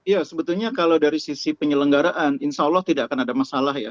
ya sebetulnya kalau dari sisi penyelenggaraan insya allah tidak akan ada masalah ya